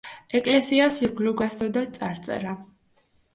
ეკლესიას ირგვლივ გასდევდა წარწერა.